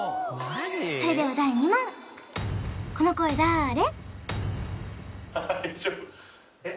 それでは第２問この声だーれ？